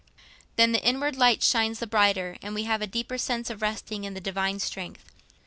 Then the inward light shines the brighter, and we have a deeper sense of resting on the Divine strength.